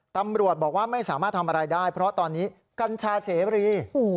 ตำรวจบอกว่าไม่สามารถทำอะไรได้เพราะตอนนี้กัญชาเสรี